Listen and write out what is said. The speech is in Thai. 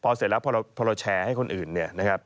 พอเสร็จแล้วพอเราแชร์ให้คนอื่น